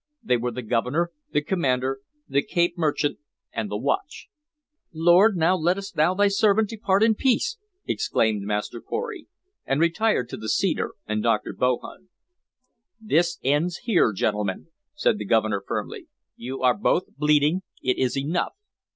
They were the Governor, the commander, the Cape Merchant, and the watch. "Lord, now lettest thou thy servant depart in peace!" exclaimed Master Pory, and retired to the cedar and Dr. Bohun. "This ends here, gentlemen," said the Governor firmly. "You are both bleeding. It is enough."